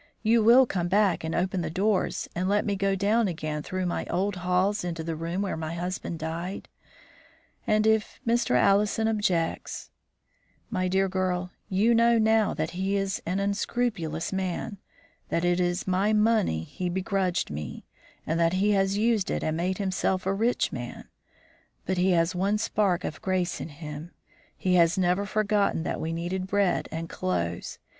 You will come back and open the doors, and let me go down again through my old halls into the room where my husband died; and if Mr. Allison objects My dear girl, you know now that he is an unscrupulous man, that it is my money he begrudged me, and that he has used it and made himself a rich man. But he has one spark of grace in him. He has never forgotten that we needed bread and clothes.